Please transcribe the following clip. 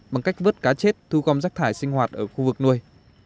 bằng cách vớt cá chết thu gom rác thải sinh hoạt ở khu vực nuôi